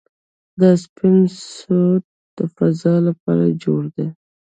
دا سپېس سوټ د فضاء لپاره جوړ دی.